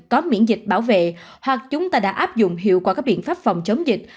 có miễn dịch bảo vệ hoặc chúng ta đã áp dụng hiệu quả các biện pháp phòng chống dịch